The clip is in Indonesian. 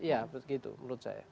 ya begitu menurut saya